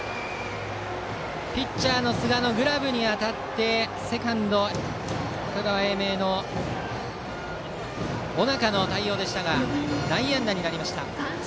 ピッチャーの寿賀のグラブに当たってセカンド、香川・英明の尾中の対応でしたが内野安打になりました。